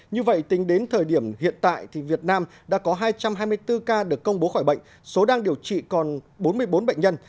như vậy tính đến thời điểm hiện tại thì việt nam đã có hai trăm hai mươi bốn ca được công bố khỏi bệnh số đang điều trị còn bốn mươi bốn bệnh nhân